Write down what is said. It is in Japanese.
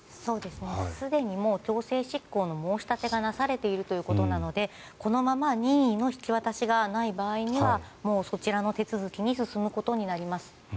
すでにもう強制執行の申し立てがなされているということなのでこのまま任意の引き渡しがない場合にはもうそちらの手続きに進むことになります。